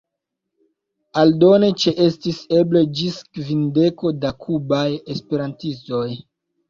Aldone ĉeestis eble ĝis kvindeko da kubaj esperantistoj.